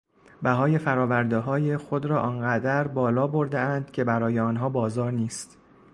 بهای فراوردههای خود را آنقدر بالابردهاند که برای آنها بازار نیست.